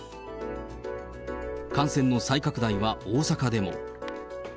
感染の再拡大は大阪でも。